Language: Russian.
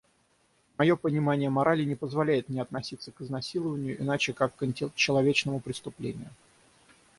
Моё понимание морали не позволяет мне относиться к изнасилованию, иначе как к античеловечному преступлению.